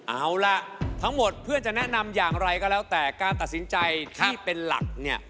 เอาล่ะทั้งหมดเพื่อจะแนะนำอย่างไรก็แล้วแต่การตัดสินใจที่เป็นหลักเนี่ย